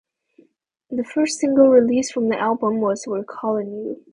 The first single released from the album was "We're Callin' You".